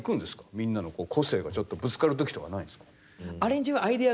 みんなの個性がちょっとぶつかる時とかないんですか？